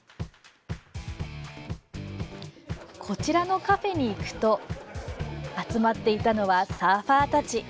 こちらのカフェに行くと集まっていたのはサーファーたち。